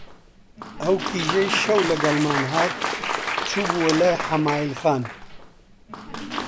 ئەو کیژەی شەو لەگەڵمان هات، چووبووە لای حەمایل خان